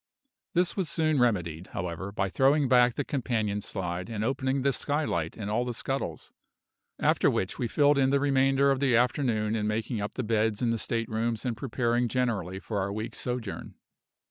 This was soon remedied, however, by throwing back the companion slide and opening the skylight and all the scuttles, after which we filled in the remainder of the afternoon in making up the beds in the state rooms and preparing generally for our week's sojourn.